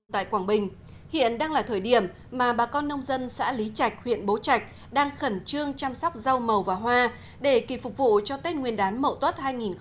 tại quảng bình hiện đang là thời điểm mà bà con nông dân xã lý trạch huyện bố trạch đang khẩn trương chăm sóc rau màu và hoa để kịp phục vụ cho tết nguyên đán mậu tuất hai nghìn hai mươi